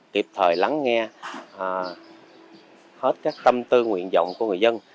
tiếp thời lắng nghe hết các tâm tư nguyện dọng của người dân